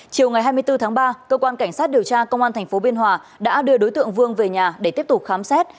chiều ngày hai mươi bốn tháng ba cơ quan cảnh sát điều tra công an tp biên hòa đã đưa đối tượng vương về nhà để tiếp tục khám xét